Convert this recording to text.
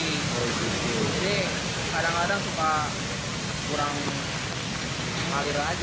jadi kadang kadang suka kurang ngalir aja